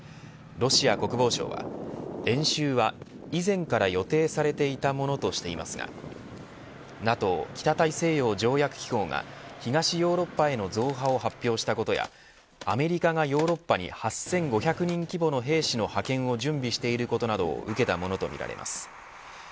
ロシア国防省は演習は以前から予定されていたものとしていますがＮＡＴＯ北大西洋条約機構が東ヨーロッパへの増派を発表したことやアメリカがヨーロッパに８５００人規模の兵士の派遣を準備していることなどを受けたものとみられます。